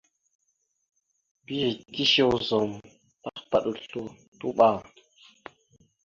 Mbiyez tishe ozum tahəpaɗ oslo, tuɓa.